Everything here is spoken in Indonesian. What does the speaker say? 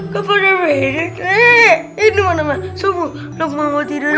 kapan udah berhenti